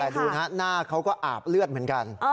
แต่ดูนะหน้าเขาก็อาบเลือดเหมือนกัน